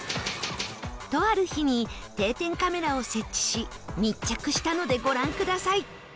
とある日に定点カメラを設置し密着したのでご覧ください